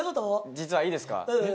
実はいいですか